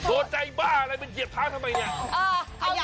โดนใจบ้าอะไรมันเหยียบเท้าทำไมเนี่ย